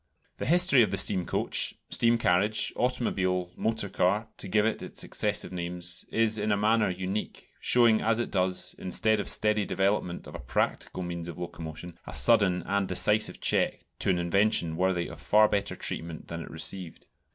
The history of the steam coach, steam carriage, automobile, motor car to give it its successive names is in a manner unique, showing as it does, instead of steady development of a practical means of locomotion, a sudden and decisive check to an invention worthy of far better treatment than it received.